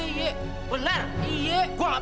kertas robekan koran yang gua kasih liat